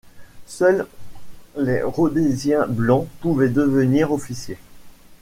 Seuls les Rhodésiens blancs pouvaient devenir officiers.